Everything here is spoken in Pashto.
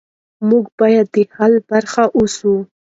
موږ باید د حل برخه اوسو.